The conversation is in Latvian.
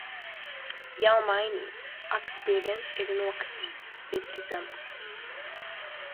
Jau mainīju, ak spiediens ir nokritis stipri zemu.